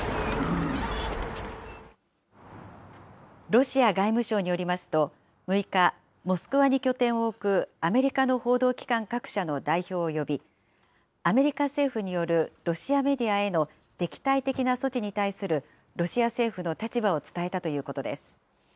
ロシア外務省によりますと、６日、モスクワに拠点を置くアメリカの報道機関各社の代表を呼び、アメリカ政府によるロシアメディアへの敵対的な措置に対するロシア政府の立場を伝えたということです。